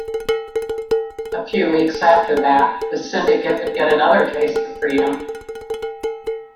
A few weeks after that, the Syndicate would get another taste of freedom.